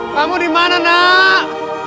kamu dimana nak